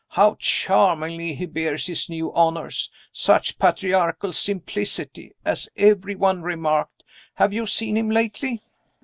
How charmingly he bears his new honors. Such patriarchal simplicity, as every one remarked. Have you seen him lately?"